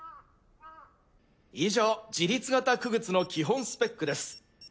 以上自律型傀儡の基本スペックです。